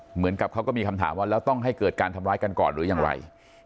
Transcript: เหมือนกับเขาก็มีคำถามว่าแล้วต้องให้เกิดการทำร้ายกันก่อนหรือยังไร